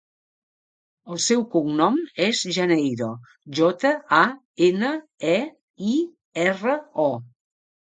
El seu cognom és Janeiro: jota, a, ena, e, i, erra, o.